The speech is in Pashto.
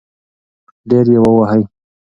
ډېر يې ووهی .